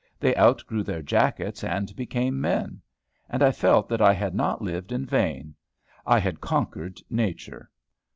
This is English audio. They outgrew their jackets, and became men; and I felt that I had not lived in vain. I had conquered nature.